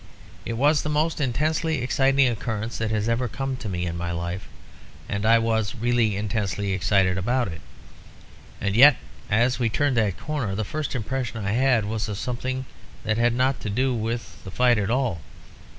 It was the most intensely exciting occurrence that had ever come to me in my life; and I was really intensely excited about it. And yet, as we turned that corner, the first impression I had was of something that had nothing to do with the fight at all.